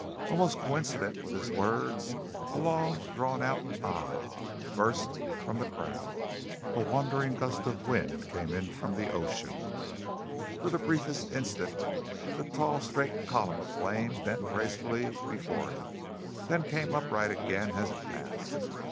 Almost coincident with his words a long drawn a ah! burst from the crowd. A wandering gust of wind came in from the ocean. For the briefest instant the tall straight column of flame bent gracefully before it, then came upright again as it passed.